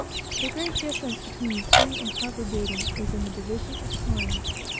The great difference between sea and harbor duty is in the division of time.